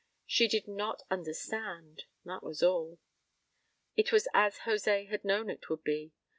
She did not understand that was all. It was as José had known it would be.